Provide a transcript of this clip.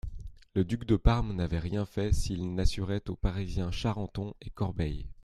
Le duc de Parme n'avait rien fait s'il n'assurait aux Parisiens Charenton et Corbeil.